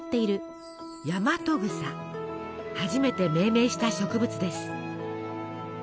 初めて命名した植物です。